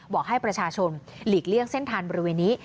บอกให้ประชาชนหลีกเลี่ยงเส้นทางบริเวณนี้